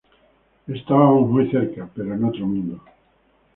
Estábamos muy cerca, pero en otro mundo.